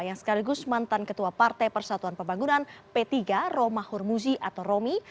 yang sekaligus mantan ketua partai persatuan pembangunan p tiga roma hurmuzi atau romi